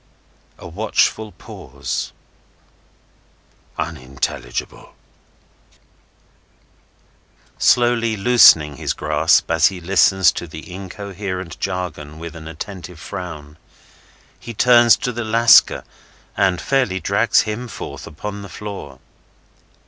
A watchful pause. "Unintelligible!" Slowly loosening his grasp as he listens to the incoherent jargon with an attentive frown, he turns to the Lascar and fairly drags him forth upon the floor.